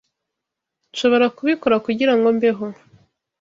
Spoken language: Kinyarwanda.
Nshobora kubikora kugirango mbeho.